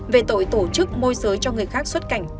về tội tổ chức môi giới cho người khác xuất cảnh